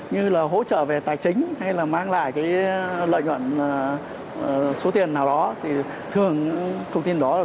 như là hỗ trợ về tài chính hay là mang lại cái lợi nhuận số tiền nào đó thì thường thông tin đó được